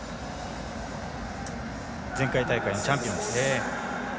前回大会のチャンピオン。